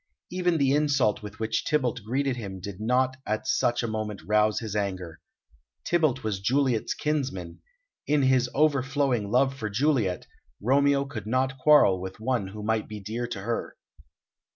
Even the insult with which Tybalt greeted him did not at such a moment rouse his anger. Tybalt was Juliet's kinsman; in his overflowing love for Juliet, Romeo could not quarrel with one who might be dear to her.